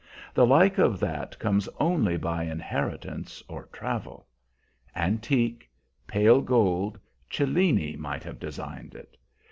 The like of that comes only by inheritance or travel. Antique, pale gold Cellini might have designed it.